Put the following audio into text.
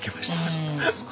そうですか。